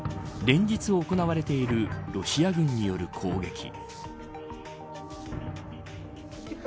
連日行われているロシア軍による攻撃。